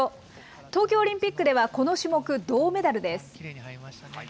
東京オリンピックではこの種目銅メダルです。